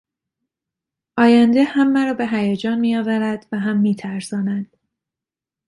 آینده هم مرا به هیجان میآورد و هم میترساند.